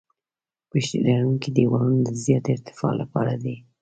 پشتي لرونکي دیوالونه د زیاتې ارتفاع لپاره دي